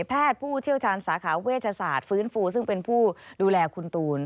ผู้เชี่ยวชาญสาขาเวชศาสตร์ฟื้นฟูซึ่งเป็นผู้ดูแลคุณตูน